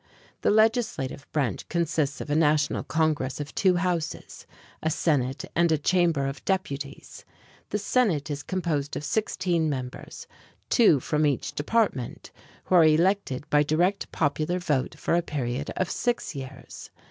The legislative branch consists of a national Congress of two houses a Senate and a Chamber of Deputies. The Senate is composed of sixteen members, two from each department, who are elected by direct popular vote for a period of six years.